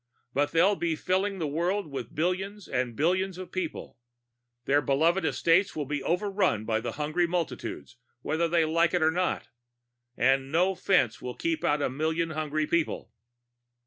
But they'll be filling the world with billions and billions of people. Their beloved estates will be overrun by the hungry multitudes, whether they like it or not. And no fence will keep out a million hungry people."